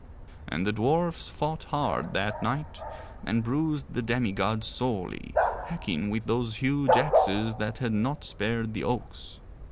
And the dwarfs fought hard that night, and bruised the demi gods sorely, hacking with those huge axes that had not spared the oaks.